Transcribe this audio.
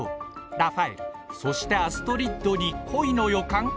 ラファエルそしてアストリッドに恋の予感？